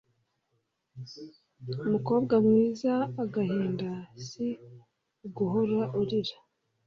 mukobwa mwiza Agahinda si uguhora urira